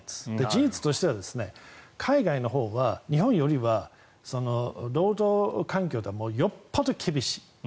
事実としては海外のほうは日本よりは労働環境でもよっぽど厳しい。